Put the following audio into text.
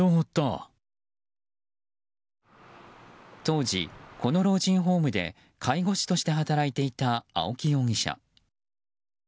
当時、この老人ホームで介護士として働いていた青木容疑者。